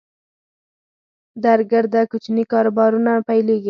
درګرده کوچني کاروبارونه پیلېږي